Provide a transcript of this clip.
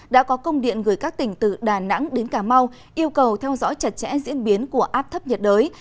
đã có công điện gửi các tỉnh từ đà nẵng đến cà mau yêu cầu theo dõi chặt chẽ diễn biến của áp thấp nhiệt đới